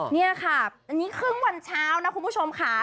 นี่ค่ะอันนี้ครึ่งวันเช้านะคุณผู้ชมค่ะ